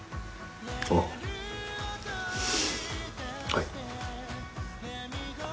はい。